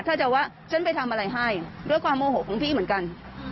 ถ้าจะว่าฉันไปทำอะไรให้ด้วยความโมโหของพี่เหมือนกัน